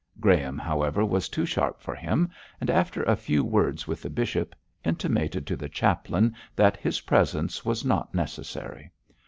Graham, however, was too sharp for him, and after a few words with the bishop, intimated to the chaplain that his presence was not necessary.